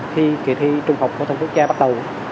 khi kỳ thi trung học phổ thông quốc gia bắt đầu